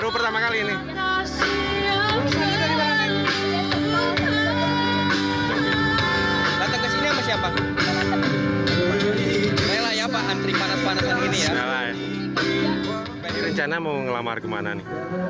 pertama kali ini melamar ini